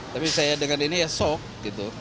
tapi saya dengan ini ya sok gitu